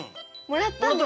もらったの？